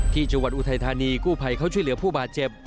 ที่จังหวัดอุทัยธานีกู้ภัยเข้าช่วยเหลือผู้บาดเจ็บ